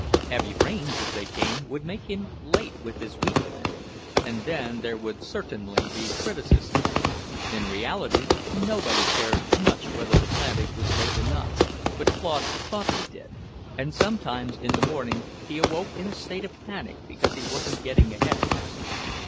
Heavy rains, if they came, would make him late with his wheat planting, and then there would certainly be criticism. In reality, nobody cared much whether the planting was late or not, but Claude thought they did, and sometimes in the morning he awoke in a state of panic because he wasn't getting ahead faster.